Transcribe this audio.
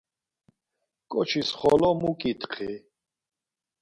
Ǩoçis xolo mu ǩitxi?